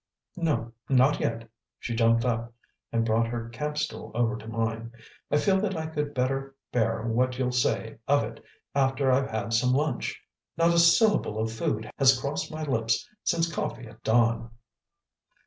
"No, not yet." She jumped up and brought her camp stool over to mine. "I feel that I could better bear what you'll say of it after I've had some lunch. Not a SYLLABLE of food has crossed my lips since coffee at dawn!"